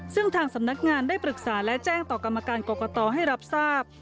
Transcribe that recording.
ซึ่งทางสำนักงานได้ปรึกษาและแจ้งต่อกรรมการกรกตให้รับทราบ